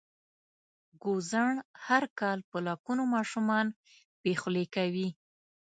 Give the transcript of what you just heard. ګوزڼ هر کال په لکونو ماشومان بې خولې کوي.